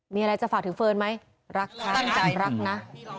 มีอะไรจะฝากถึงเฟิร์นไหมรักค่ะตั้งใจรักนะ